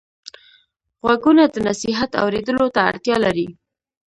غوږونه د نصیحت اورېدلو ته اړتیا لري